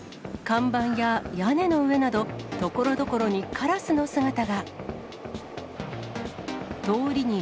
看板や屋根の上など、ところどころにカラスの姿が。